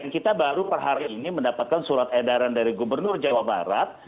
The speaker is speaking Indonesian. kita baru per hari ini mendapatkan surat edaran dari gubernur jawa barat